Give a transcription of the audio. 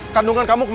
kandungan kamu kemana